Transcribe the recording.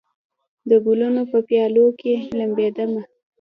د ګلونو په پیالو کې لمبېدمه